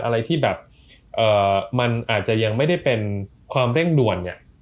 อะไรที่แบบมันอาจจะยังไม่ได้เป็นความเร่งด่วนเนี่ย